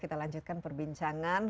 kita lanjutkan perbincangan